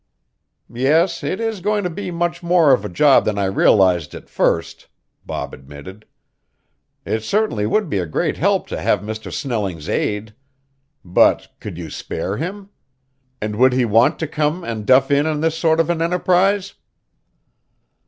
"Yes, it is going to be much more of a job than I realized at first," Bob admitted. "It certainly would be a great help to have Mr. Snelling's aid. But could you spare him? And would he want to come and duff in on this sort of an enterprise?"